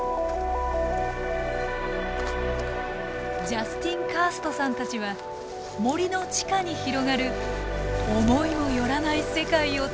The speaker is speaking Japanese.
ジャスティン・カーストさんたちは森の地下に広がる思いも寄らない世界を突き止めました。